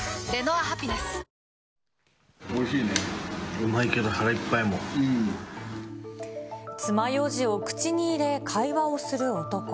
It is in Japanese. うまいけど、腹いっぱい、つまようじを口に入れ、会話をする男。